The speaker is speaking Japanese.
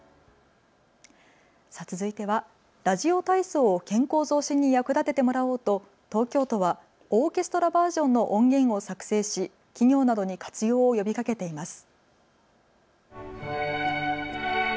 続いてはラジオ体操を健康増進に役立ててもらおうと東京都はオーケストラバージョンの音源を作成し企業などに活用を呼びかけています。